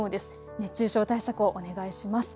熱中症対策をお願いします。